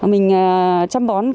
mình chăm sóc rau